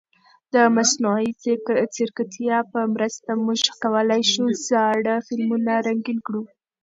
د مصنوعي ځیرکتیا په مرسته موږ کولای شو زاړه فلمونه رنګین کړو.